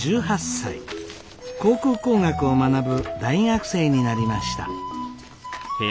航空工学を学ぶ大学生になりました。